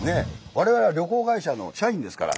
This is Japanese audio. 我々は旅行会社の社員ですから。